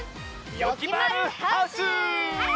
「よきまるハウス」！